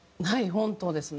本当ですね。